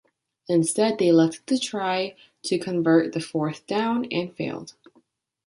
Instead they elected to try to convert the fourth down, and failed.